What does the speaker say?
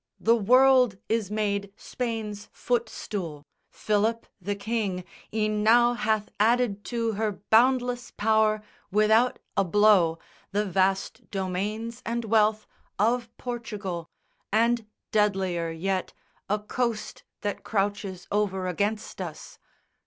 The world is made Spain's footstool. Philip, the King, E'en now hath added to her boundless power Without a blow, the vast domains and wealth Of Portugal, and deadlier yet, a coast That crouches over against us.